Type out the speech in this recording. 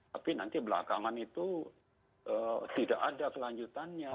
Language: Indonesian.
tapi nanti belakangan itu tidak ada kelanjutannya